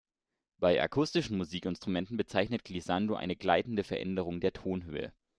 Bei akustischen Musikinstrumenten bezeichnet Glissando eine gleitende Veränderung der Tonhöhe.